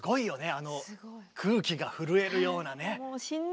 あの空気が震えるようなね。